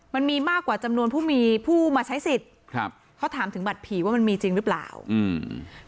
มันมีมากกว่าจำนวนผู้มีผู้มาใช้สิทธิ์ครับเขาถามถึงบัตรผีว่ามันมีจริงหรือเปล่าอืม